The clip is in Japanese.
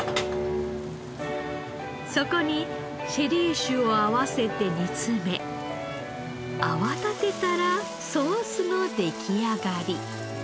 そこにシェリー酒を合わせて煮詰め泡立てたらソースの出来上がり。